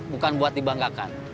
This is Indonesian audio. bukan buat dibanggakan